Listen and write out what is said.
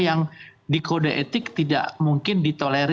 yang di kode etik tidak berhubungan dengan perbuatan pidana